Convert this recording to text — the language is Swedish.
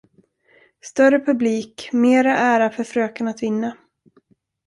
Större publik, mera ära för fröken att vinna.